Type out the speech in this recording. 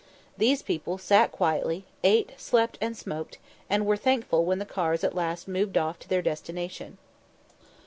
These people sat quietly, ate, slept, and smoked, and were thankful when the cars at last moved off to their destination.